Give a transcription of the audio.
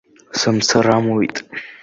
Сымцар амуит.